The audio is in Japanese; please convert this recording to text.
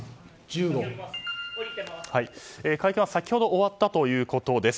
会見は先ほど終わったということです。